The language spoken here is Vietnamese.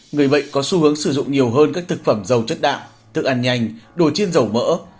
người bệnh có xu hướng sử dụng nhiều hơn các thực phẩm giàu chất đạo thức ăn nhanh đồ chiên dầu mỡ